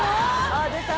ああ出た！